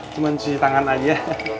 cuman cuci tangan aja